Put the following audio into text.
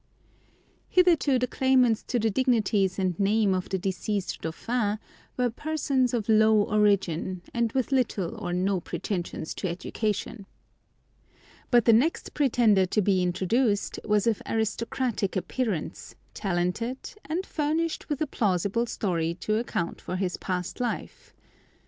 Hitherto the claimants to the dignities and name of the deceased Dauphin were persons of low origin, and with little or no pretensions to education. But the next pretender to be introduced was of aristocratic appearance, talented, and furnished with a plausible story to account for his past life.